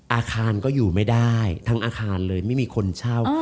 อาคารก็อยู่ไม่ได้ทั้งอาคารเลยไม่มีคนเช่า